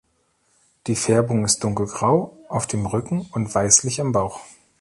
Die Färbung ist dunkelgrau auf dem Rücken und weißlich am Bauch.